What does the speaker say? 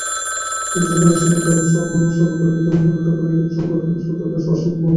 কিন্তু যখন এই-সকল কারণ সমভাবে সর্বত্র বিদ্যমান, তখন এরূপ সঙ্ঘটন স্বতই অসম্ভব।